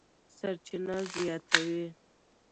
سرچینه زیاتوي